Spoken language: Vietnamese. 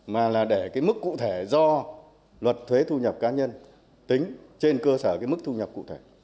mà là để cái mức cụ thể do luật thuế thu nhập cá nhân tính trên cơ sở cái mức thu nhập cụ thể